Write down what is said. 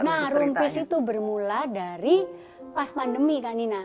nah room peace itu bermula dari pas pandemi kan nina